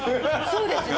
そうですね。